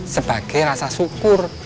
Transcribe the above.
sebagai rasa syukur